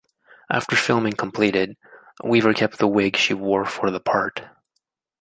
After filming completed, Weaver kept the wig she wore for the part.